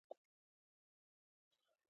جسماني محرکات ئې انرجي ډرنکس ،